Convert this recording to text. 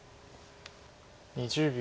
２０秒。